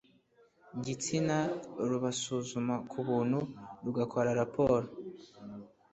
gitsina rubasuzuma ku buntu rugakora raporo